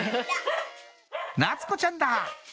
夏子ちゃんだ